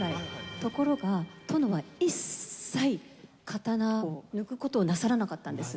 ところが、殿は一切、刀を抜くことをなさらなかったんです。